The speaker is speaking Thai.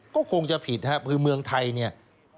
ก็คงจะผิดครับคือเมืองไทย